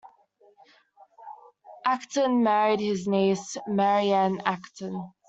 Acton married his niece Mary Anne Acton.